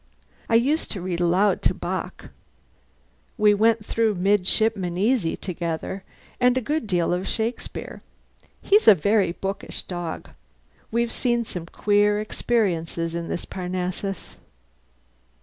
I used to read aloud to Bock: we went through 'Midshipman Easy' together, and a good deal of Shakespeare. He's a very bookish dog. We've seen some queer experiences in this Parnassus."